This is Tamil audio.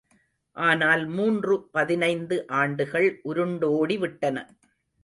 ஆனால் மூன்று பதினைந்து ஆண்டுகள் உருண்டோடிவிட்டன.